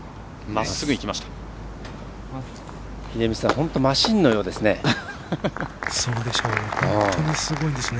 本当マシンのようですね。